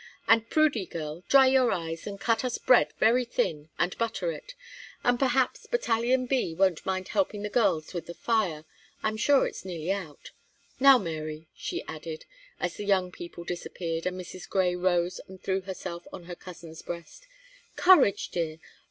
And Prudy girl, dry your eyes, and cut us bread very thin, and butter it. And perhaps 'Battalion B' won't mind helping the girls with the fire I'm sure it's nearly out. Now, Mary," she added, as the young people disappeared, and Mrs. Grey rose and threw herself on her cousin's breast, "courage, dear!